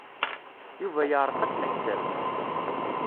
Yuba yeɛreq-as leḥsab.